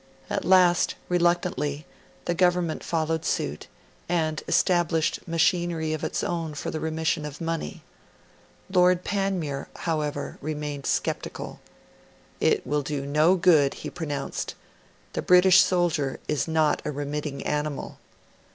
At last, reluctantly, the Government followed suit, and established machinery of its own for the remission of money. Lord Panmure, however, remained sceptical; 'it will do no good,' he pronounced; 'the British soldier is not a remitting animal.'